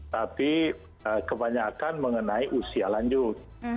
tapi kebanyakan mengenai usia lanjut